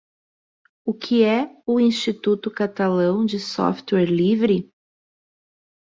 O que é o Instituto Catalão de Software Livre?